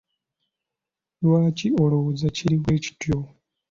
Lwaki olowooza kiri bwekityo?